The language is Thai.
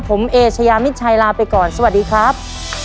ผมเอเชยามิดชัยลาไปก่อนสวัสดีครับ